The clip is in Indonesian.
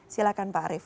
silahkan pak arief